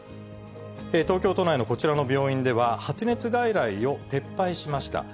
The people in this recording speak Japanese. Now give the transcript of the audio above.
東京都内のこちらの病院では、発熱外来を撤廃しました。